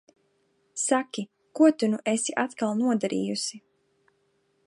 Saki, ko tu nu esi atkal nodarījusi?